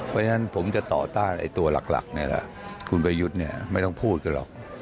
เพราะฉะนั้นผมจะต่อต้านตัวหลักคุณประยุทธ์ไม่ต้องพูดกันหรอก